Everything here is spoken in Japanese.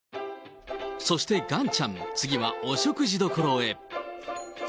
そしてガンちゃん、次はお食事どころへ。